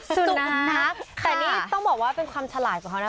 สุนัขแต่นี่ต้องบอกว่าเป็นความฉลาดของเขานะ